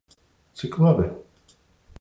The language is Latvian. Cik labi!